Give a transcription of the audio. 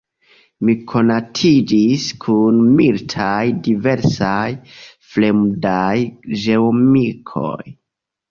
Mi konatiĝis kun multaj diversaj fremdaj geamikoj.